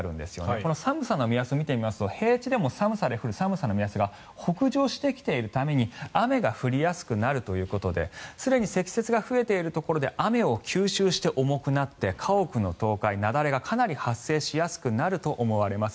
この寒さの目安を見てみますと平地でも寒さの目安が北上してきているために雨が降りやすくなるということですでに積雪が増えているところで雨を吸収して重くなって家屋の倒壊、雪崩がかなり発生しやすくなると思われます。